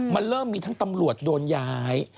มันเริ่มมีทั้งตำรวจโดนย้าย